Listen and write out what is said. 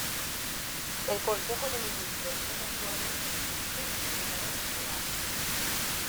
El Consejo de Ministros es actualmente presidido por Salvador del Solar.